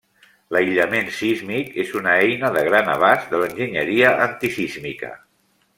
L'aïllament sísmic és una eina de gran abast de l'enginyeria antisísmica.